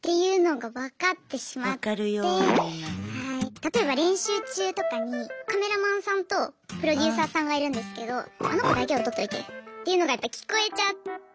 例えば練習中とかにカメラマンさんとプロデューサーさんがいるんですけどあの子だけを撮っといてっていうのがやっぱ聞こえちゃって。